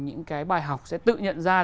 những cái bài học sẽ tự nhận ra